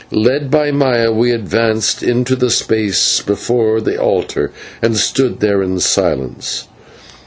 Led by Maya we advanced into the space before the altar, and stood there in silence.